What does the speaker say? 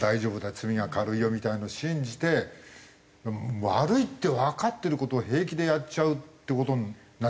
「罪は軽いよ」みたいのを信じて悪いってわかってる事を平気でやっちゃうっていう事になっちゃうね。